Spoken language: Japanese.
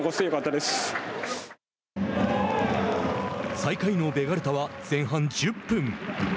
最下位のベガルタは前半１０分。